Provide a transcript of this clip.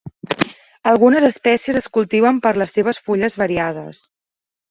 Algunes espècies es cultiven per les seves fulles variades.